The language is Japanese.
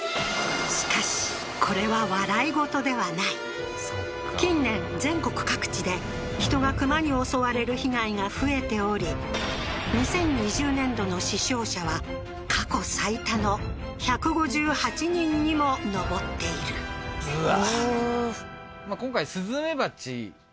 しかしこれは笑い事ではない近年全国各地で人が２０２０年度の死傷者は過去最多の１５８人にも上っているうわ